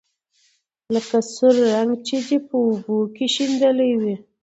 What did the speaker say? لکه سور رنګ چې دې په اوبو کې شېندلى وي.